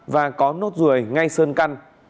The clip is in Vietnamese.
và có nốt rùi ngay sơn căn